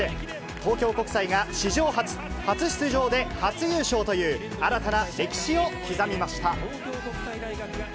東京国際が史上初、初出場で初優勝という新たな歴史を刻みました。